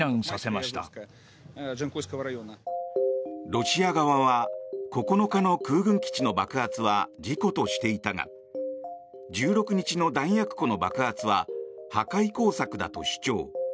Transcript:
ロシア側は９日の空軍基地の爆発は事故としていたが１６日の弾薬庫の爆発は破壊工作だと主張。